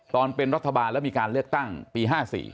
ตอนเป็นรัฐบาลแล้วมีการเลือกตั้งปี๕๔